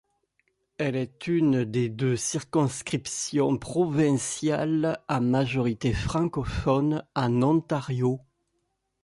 Elle est une des deux circonscriptions provinciales à majorité francophone en Ontario.